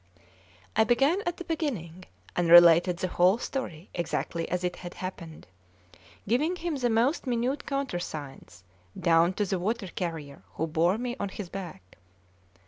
I began at the beginning, and related the whole story exactly as it had happened, giving him the most minute countersigns, down to the water carrier who bore me on his back.